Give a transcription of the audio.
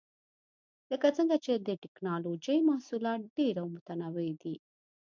لکه څنګه چې د ټېکنالوجۍ محصولات ډېر او متنوع دي.